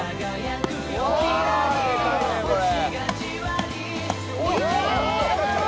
でかいねこれ。